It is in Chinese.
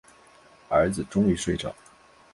儿子终于睡着